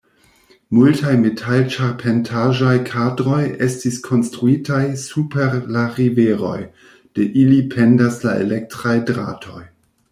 Multaj metal-ĉarpentaĵaj kadroj estis konstruitaj super la rivero; de ili pendas la elektraj dratoj.